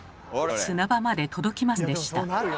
砂場まで届きませんでした。